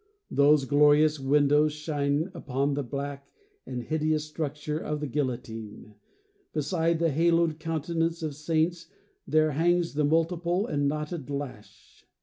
Those glorious windows shine upon the black And hideous structure of the guillotine; Beside the haloed countenance of saints There hangs the multiple and knotted lash.